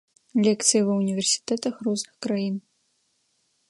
Лекцыі ва ўніверсітэтах розных краін.